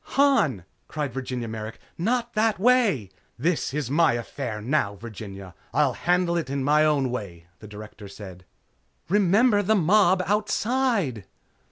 "Han!" cried Virginia Merrick, "Not that way!" "This is my affair now, Virginia. I'll handle it in my own way!" the Director said. "Remember the mob outside!"